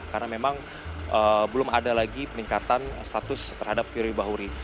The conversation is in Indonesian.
karena memang belum ada lagi peningkatan status terhadap firly bahuri